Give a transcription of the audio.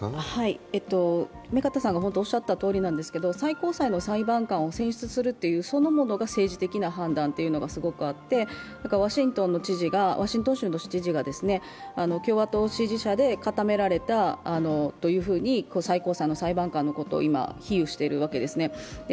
最高裁の裁判官を選出するという、そのものが政治的な判断というのがすごくあって、ワシントン州の知事が共和党支持者で固められたというふうに最高裁の裁判官のことを今、比喩しているわけですね。